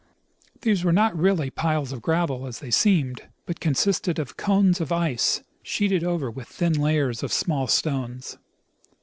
These were not really piles of gravel, as they seemed, but consisted of cones of ice, sheeted over with thin layers of small stones.